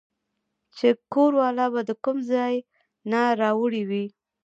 چې کور والا به د کوم ځاے نه راوړې وې